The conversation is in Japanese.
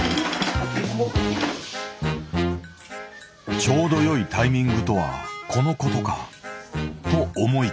ちょうど良いタイミングとはこのことかと思いきや。